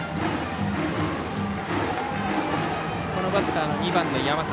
このバッター２番の山里。